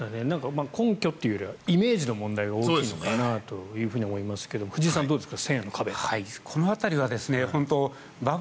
根拠というよりはイメージの問題が大きいのかなと思いますが藤井さんどうですか。